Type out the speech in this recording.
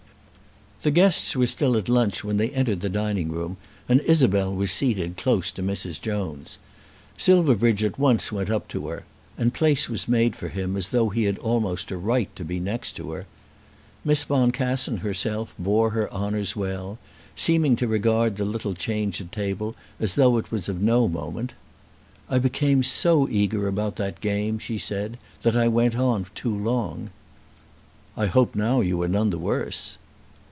The guests were still at lunch when they entered the dining room, and Isabel was seated close to Mrs. Jones. Silverbridge at once went up to her, and place was made for him as though he had almost a right to be next to her. Miss Boncassen herself bore her honours well, seeming to regard the little change at table as though it was of no moment. "I became so eager about that game," she said, "that I went on too long." "I hope you are now none the worse."